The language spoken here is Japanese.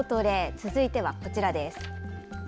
続いてはこちらです。